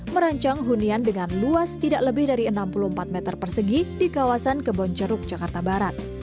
merancang hunian dengan luas tidak lebih dari enam puluh empat meter persegi di kawasan kebonceruk jakarta barat